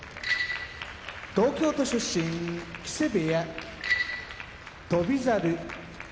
東京都出身木瀬部屋翔猿